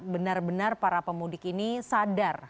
benar benar para pemudik ini sadar